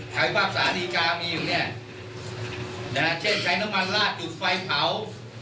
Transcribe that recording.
ขายความสาดีกามีอยู่เนี่ยนะฮะเช่นใช้น้ำมันลาดจุดไฟเผา